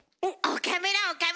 岡村岡村。